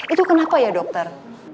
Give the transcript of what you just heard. itu kenapa ya dokter